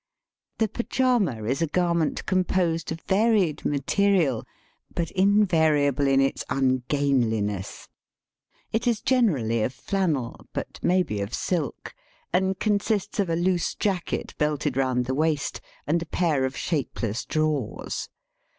The pyjama is a garment composed of varied material, but invariable in its ungainli Digitized by VjOOQIC 142 EAST BY WEST. ness. It is generally of flannel, but may be of silk, and consists of a loose jacket belted round the waist and a pair of shapeless drawers.